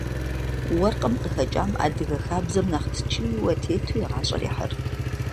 Уэркъым къыхэкӏам адыгэ хабзэм нэхъ ткӏийуэ тету и гъащӏэр ихьырт.